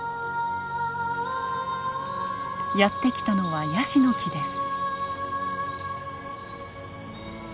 やって来たのはヤシの木です。